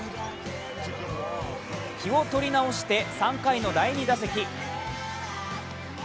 気を取り直して、３回の第２打席。